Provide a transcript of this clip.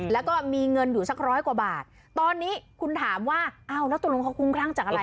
แล้วก็มีเงินอยู่สักร้อยกว่าบาทตอนนี้คุณถามว่าอ้าวแล้วตกลงเขาคุ้มครั่งจากอะไร